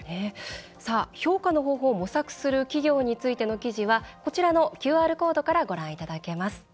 評価の方法を模索する企業についての記事はこちらのＱＲコードからご覧いただけます。